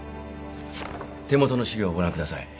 手元の資料をご覧ください。